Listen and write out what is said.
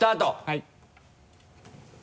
はい。